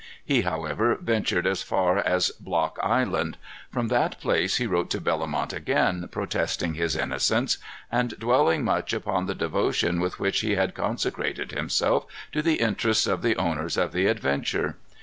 He, however, ventured as far as Block Island. From that place he wrote to Bellomont again, protesting his innocence, and dwelling much upon the devotion with which he had consecrated himself to the interests of the owners of the Adventure.